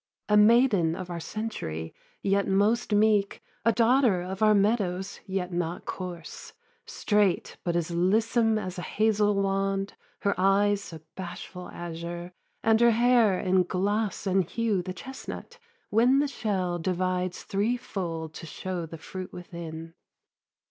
A maiden of our century, yet most meek; A daughter of our meadows, yet not coarse; Straight, but as lissome as a hazel wand; Her eyes a bashful azure, and her hair In gloss and hue the chestnut, when the shell Divides threefold to show the fruit within.